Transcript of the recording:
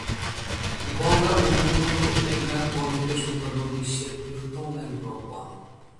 গঙ্গা-ব্রহ্মপুত্র-মেঘনার বদ্বীপের সুন্দরবন বিশ্বের বৃহত্তম ম্যানগ্রোভ বন।